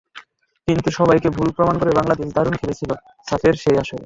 কিন্তু সবাইকে ভুল প্রমাণ করে বাংলাদেশ দারুণ খেলেছিল সাফের সেই আসরে।